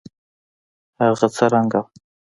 هغه څه رنګه وه.